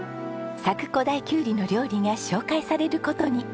佐久古太きゅうりの料理が紹介される事に。